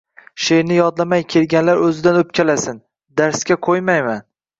Sheʼrni yodlamay kelganlar oʻzidan oʻpkalasin, darsga qoʻymayman.